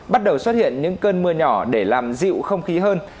bắt đầu xuất hiện những cơn mưa nhỏ để làm dịu không khí hơn